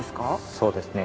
そうですね。